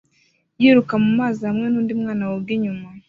yiruka mu mazi hamwe nundi mwana woga inyuma ye